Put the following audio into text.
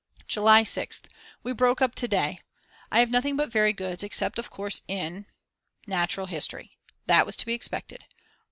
July 6th. We broke up to day. I have nothing but Very Goods, except of course in Natural History! That was to be expected.